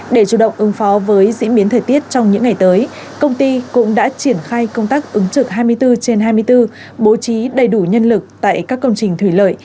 để chủ động ứng phó với diễn biến thời tiết trong những ngày tới công ty cũng đã triển khai công tác ứng trực hai mươi bốn trên hai mươi bốn bố trí đầy đủ nhân lực tại các công trình thủy lợi